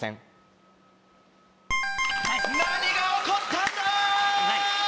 何が起こったんだ！